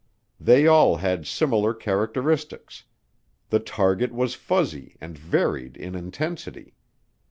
They all had similar characteristics the target was "fuzzy" and varied in intensity.